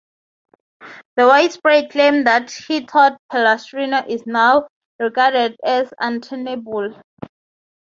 The widespread claim that he taught Palestrina is now regarded as untenable.